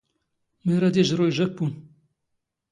ⵎⴰ ⵔⴰⴷ ⵉⵊⵕⵓ ⵉ ⵊⵊⴰⴱⴱⵓⵏ?